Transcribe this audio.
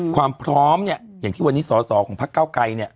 ความพร้อมอย่างที่วันนี้ศศของพระเก้าไกร